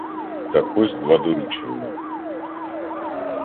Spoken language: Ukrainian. Так ось два доручення.